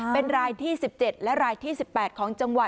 เป็นรายที่๑๗และรายที่๑๘ของจังหวัด